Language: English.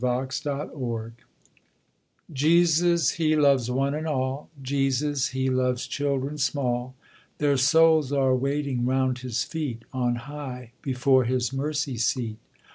CHILD BALLAD Jesus, He loves one and all, Jesus, He loves children small, Their souls are waiting round His feet On high, before His mercy seat.